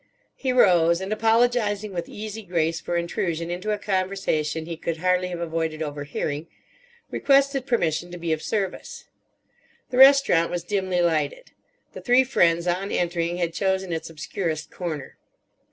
He rose and, apologising with easy grace for intrusion into a conversation he could hardly have avoided overhearing, requested permission to be of service. The restaurant was dimly lighted; the three friends on entering had chosen its obscurest corner.